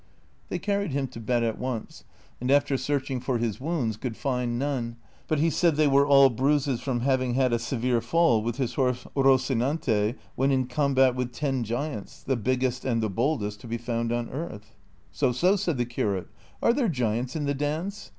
They carried him to bed at once, and after searching for his wounds could find none, but he said they were all bruises from having had a severe fall with his horse Eocinante when in combat with ten giants, the biggest and the boldest to be found on earth. " So, so !" said the curate, " are there giants in the dance